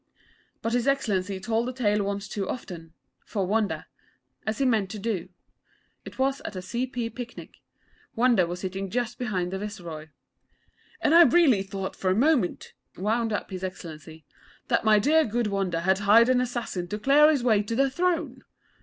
But His Excellency told the tale once too often for Wonder. As he meant to do. It was at a Seepee Picnic. Wonder was sitting just behind the Viceroy. 'And I really thought for a moment,' wound up His Excellency, 'that my dear, good Wonder had hired an assassin to clear his way to the throne!'